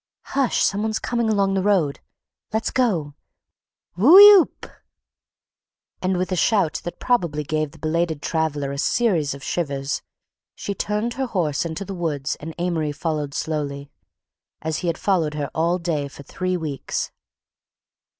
"Hush! some one's coming along the road—let's go! Whoo ee oop!" And with a shout that probably gave the belated traveller a series of shivers, she turned her horse into the woods and Amory followed slowly, as he had followed her all day for three weeks.